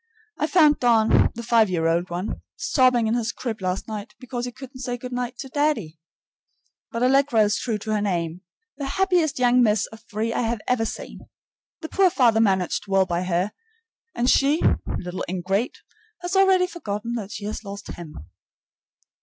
I found Don, the five year old one, sobbing in his crib last night because he couldn't say good night to "daddy." But Allegra is true to her name, the happiest young miss of three I have ever seen. The poor father managed well by her, and she, little ingrate, has already forgotten that she has lost him.